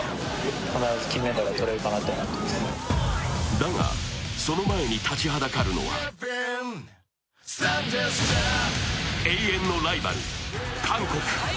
だが、その前に立ちはだかるのは永遠のライバル・韓国。